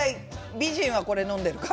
美男はこれを飲んでいるから。